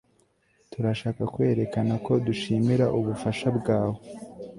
Turashaka kwerekana ko dushimira ubufasha bwawe